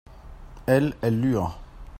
elles, elles lûrent.